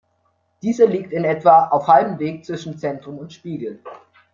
Dieser liegt in etwa auf halbem Weg zwischen Zentrum und Spiegel.